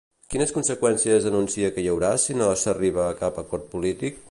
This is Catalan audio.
Quines conseqüències anuncia que hi haurà si no s'arriba a cap acord polític?